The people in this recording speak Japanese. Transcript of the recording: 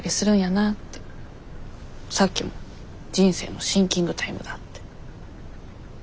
さっきも人生のシンキングタイムだって。